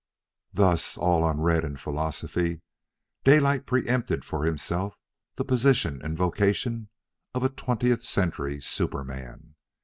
Thus, all unread in philosophy, Daylight preempted for himself the position and vocation of a twentieth century superman.